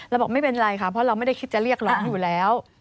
บอกไม่เป็นไรค่ะเพราะเราไม่ได้คิดจะเรียกร้องอยู่แล้ว